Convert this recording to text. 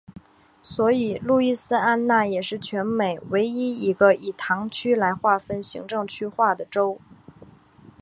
所以路易斯安那也是全美唯一一个以堂区来划分行政区划的州。